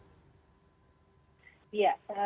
ya jadi kan ini adalah satu strategi